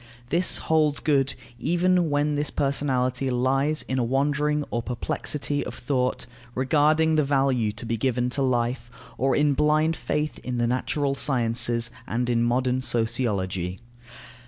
This holds good even when this personality lies in a wandering or perplexity of thought regarding the value to be given to life, or in blind faith in the natural sciences and in modern sociology.